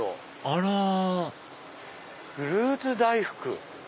あら「フルーツ大福」。